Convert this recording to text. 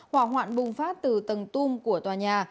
hỏa hoạn bùng phát từ tầng tung của tòa nhà